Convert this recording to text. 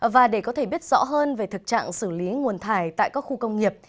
và để có thể biết rõ hơn về thực trạng xử lý nguồn thải tại các khu công nghiệp